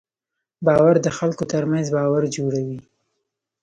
باور د خلکو تر منځ باور جوړوي.